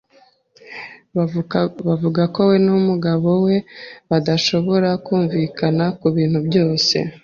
Bavuga ko we numugabo we badashobora kumvikana kubintu byose.